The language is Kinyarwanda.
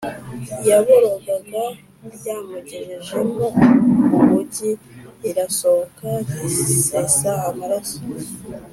Yaborogaga ryamugejejemo ubugi rirasohoka risesa amaraso,